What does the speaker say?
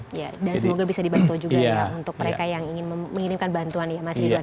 iya dan semoga bisa dibantu juga ya untuk mereka yang ingin mengirimkan bantuan ya mas ridwan